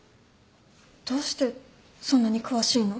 どうしてそんなに詳しいの？